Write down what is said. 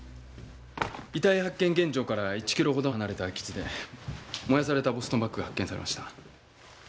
遺体発見現場から１キロほど離れた空き地で燃やされたボストンバッグが発見されました。